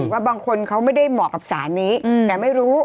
ว่าบางคนเขาไม่ได้เหมาะกับสารนี้แต่ไม่รู้